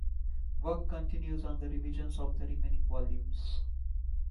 Work continues on revisions of the remaining volumes.